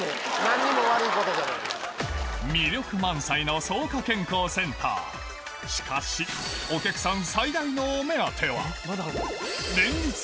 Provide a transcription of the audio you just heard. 魅力満載の草加健康センターしかしお客さん